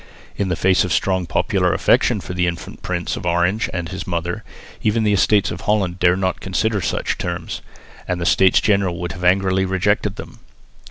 In the face of the strong popular affection for the infant Prince of Orange and his mother, even the Estates of Holland dared not consider such terms, and the States General would have angrily rejected them.